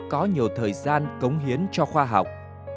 có nhiều thời gian cống hiến cho khoa học